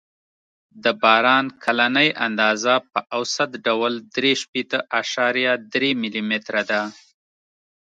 د باران کلنۍ اندازه په اوسط ډول درې شپېته اعشاریه درې ملي متره ده